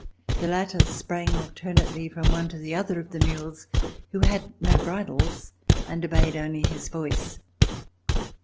The latter sprang alternately from one to the other of the mules, who had no bridles and obeyed only his voice.